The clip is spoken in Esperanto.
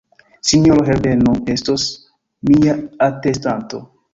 Sinjoro Herbeno estos mia atestanto.